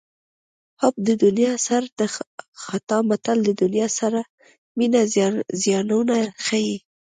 حب د دنیا سر د خطا متل د دنیا سره مینې زیانونه ښيي